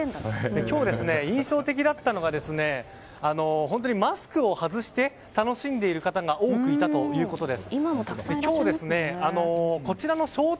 今日、印象的だったのはマスクを外して楽しんでいる方が多くいたということです。